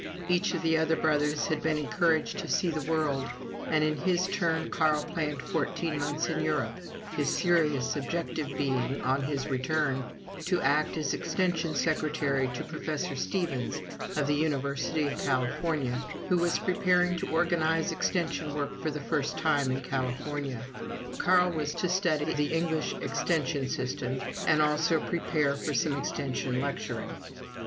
Each of the other brothers had been encouraged to see the world, and in his turn Carl planned fourteen months in Europe, his serious objective being, on his return, to act as Extension Secretary to Professor Stephens of the University of California, who was preparing to organize Extension work for the first time in California. Carl was to study the English Extension system and also prepare for some Extension lecturing.